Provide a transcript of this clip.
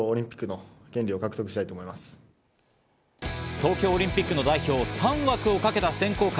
東京オリンピックの代表３枠を懸けた選考会。